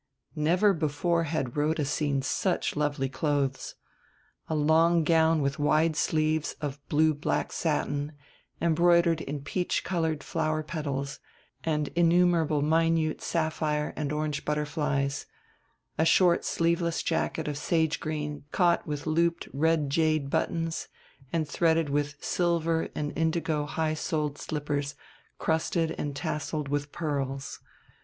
Never before had Rhoda seen such lovely clothes: A long gown with wide sleeves of blue black satin, embroidered in peach colored flower petals and innumerable minute sapphire and orange butterflies, a short sleeveless jacket of sage green caught with looped red jade buttons and threaded with silver and indigo high soled slippers crusted and tasseled with pearls.